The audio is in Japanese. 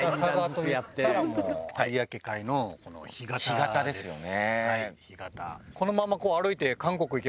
干潟ですよね。